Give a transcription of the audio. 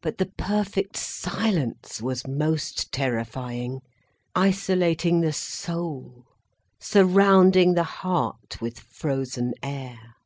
But the perfect silence was most terrifying, isolating the soul, surrounding the heart with frozen air.